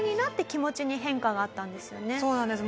そうなんです。